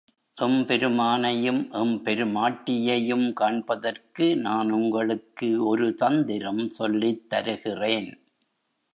எம்பெருமானையும் எம் பெருமாட்டியையும் காண்பதற்கு நான் உங்களுக்கு ஒரு தந்திரம் சொல்லித் தருகிறேன்.